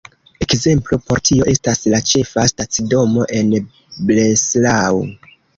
Ekzemplo por tio estas la ĉefa stacidomo en Breslau.